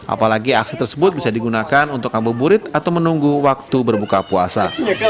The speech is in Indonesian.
apalagi aksi tersebut bisa digunakan untuk ngabuburit atau menunggu waktu berbuka puasa